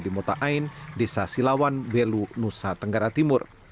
di motain desa silawan belu nusa tenggara timur